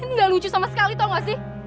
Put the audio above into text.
ini gak lucu sama sekali tau gak sih